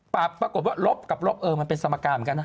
ปรากฏว่าลบกับลบเออมันเป็นสมการเหมือนกันนะ